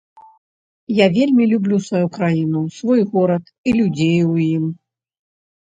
Я вельмі люблю сваю краіну, свой горад і людзей у ім.